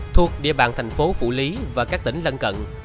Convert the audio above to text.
thuộc địa bàn thành phố phủ lý và các tỉnh lân cận